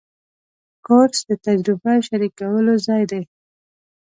کورس د تجربه شریکولو ځای دی.